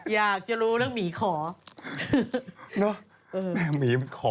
อยากจะรู้เรื่องหมีขอเนอะ